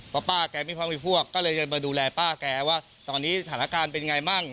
เพราะป้าแกไม่พร้อมมีพวกก็เลยจะมาดูแลป้าแกว่าตอนนี้สถานการณ์เป็นยังไงมั่ง